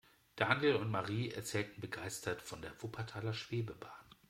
Daniel und Marie erzählten begeistert von der Wuppertaler Schwebebahn.